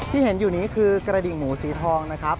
ที่เห็นอยู่นี้คือกระดิ่งหมูสีทองนะครับ